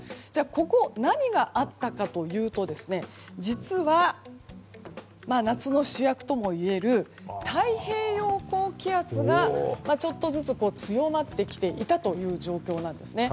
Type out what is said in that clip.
ここ何があったかというと実は、夏の主役ともいえる太平洋高気圧がちょっとずつ強まってきていたという状況なんです。